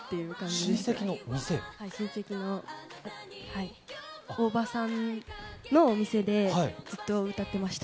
親戚のおばさんのお店でずっと歌ってました。